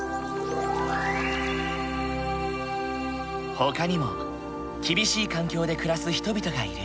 ほかにも厳しい環境で暮らす人々がいる。